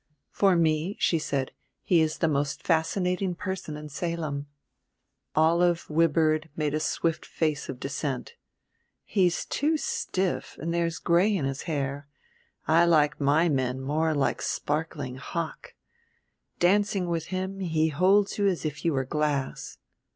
"For me," she said, "he is the most fascinating person in Salem." Olive Wibird made a swift face of dissent. "He's too stiff and there is gray in his hair. I like my men more like sparkling hock. Dancing with him he holds you as if you were glass."